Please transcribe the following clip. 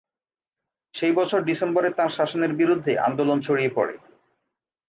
সেই বছর ডিসেম্বরে তাঁর শাসনের বিরুদ্ধে আন্দোলন ছড়িয়ে পড়ে।